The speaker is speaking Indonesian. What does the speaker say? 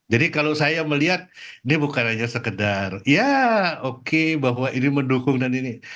jadi kalau saya melihat ini bukan hanya sekedar ya oke bahwa ini mendukung dan ini